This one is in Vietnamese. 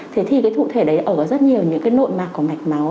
thì thụ thể đấy ở rất nhiều những nội mạc của mạch máu